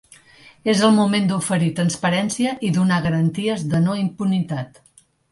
És el moment d’oferir transparència i donar garanties de no-impunitat.